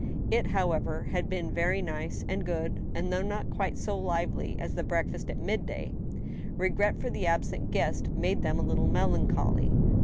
It, how ever, had been very nice and good, though not quite so lively as the breakfast at midday. Regret for the absent guest made them a little melancholy.